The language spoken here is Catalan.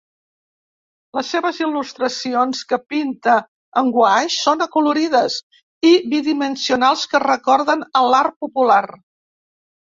Les seves il·lustracions, que pinta en guaix són acolorides i bidimensionals, que recorden a l'art popular.